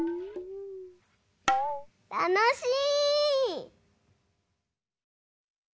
たのしい！